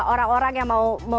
orang orang yang mau